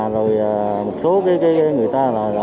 rồi một số người ta